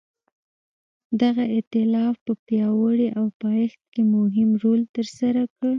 دغه ایتلاف په پیاوړتیا او پایښت کې مهم رول ترسره کړ.